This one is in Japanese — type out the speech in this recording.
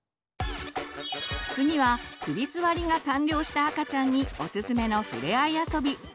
次は首すわりが完了した赤ちゃんにおすすめのふれあい遊び。